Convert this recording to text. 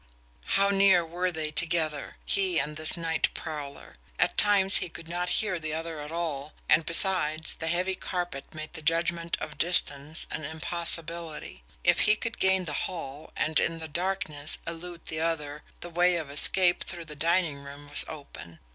How near were they together, he and this night prowler? At times he could not hear the other at all, and, besides, the heavy carpet made the judgment of distance an impossibility. If he could gain the hall, and, in the darkness, elude the other, the way of escape through the dining room was open.